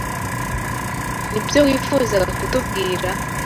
Nibyo wifuzaga kutubwira?